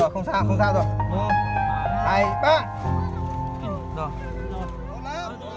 không sao không sao rồi